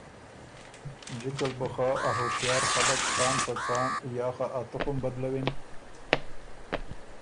جکه ل بُو خه ا هُشیار خلق څان په څان یا خه ا تُخم بدلَوِن